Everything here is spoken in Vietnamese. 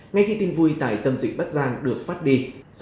ngay khi tin vui tại tâm dịch bắc giang được phát đi